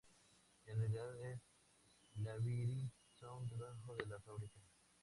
En realidad es Labyrinth Zone debajo de la fábrica.